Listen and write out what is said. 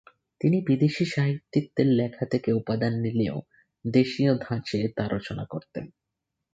তিনি বিদেশি সাহিত্যিকদের লেখা থেকে উপাদান নিলেও দেশীয় ধাঁচে তা রচনা করতেন।